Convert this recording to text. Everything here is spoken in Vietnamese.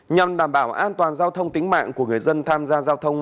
nhằm đảm bảo an toàn giao thông tính mạng của người dân tham gia giao thông